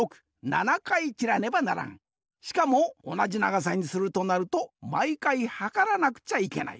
しかもおなじながさにするとなるとまいかいはからなくちゃいけない。